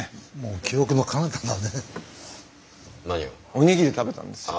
お握り食べたんですよ。